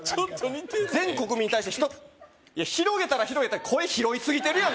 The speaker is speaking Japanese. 全国民に対して１ついや広げたら広げたで声拾いすぎてるやん